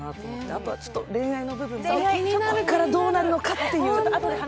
あとは、恋愛の部分がどうなるのかっていう。